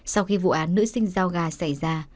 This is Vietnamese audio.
sau khi vụ án nữ sinh giao gà xảy ra